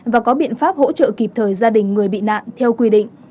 và có biện pháp hỗ trợ kịp thời gia đình người bị nạn theo quy định